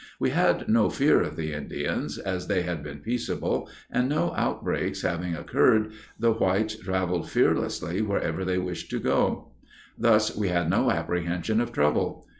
We had no fear of the Indians, as they had been peaceable, and no outbreaks having occurred, the whites traveled fearlessly wherever they wished to go. Thus, we had no apprehension of trouble.